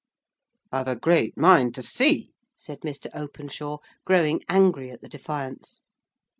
"I've a great mind to see," said Mr. Openshaw, growing angry at the defiance.